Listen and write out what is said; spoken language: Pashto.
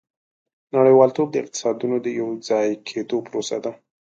• نړیوالتوب د اقتصادونو د یوځای کېدو پروسه ده.